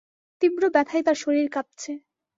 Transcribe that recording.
তীব্র ব্যথায় তাঁর শরীর কাঁপছে।